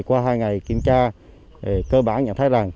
qua hai ngày kiểm tra cơ bản nhận thấy rằng